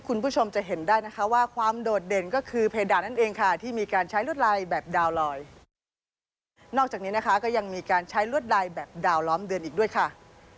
ก็ยังมีการใช้รวดลายแบบดาวล้อมเดือนอีกด้วยค่ะ